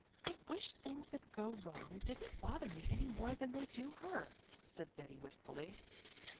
"I wish things that go wrong didn't bother me any more than they do her," said Betty wistfully.